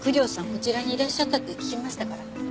こちらにいらっしゃったって聞きましたから。